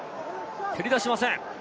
蹴り出しません。